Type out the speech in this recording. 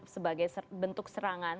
sebagai bentuk serangan